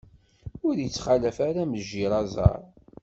Ur ittxalaf ara mejjir aẓaṛ.